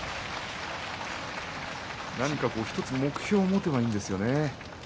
何か１つ目標を持てばいいんですよね。